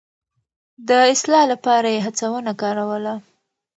د اصلاح لپاره يې هڅونه کاروله.